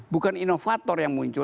bukan innovator yang muncul